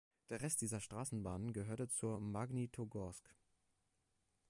Der Rest dieser Straßenbahnen gehörte zu Magnitogorsk.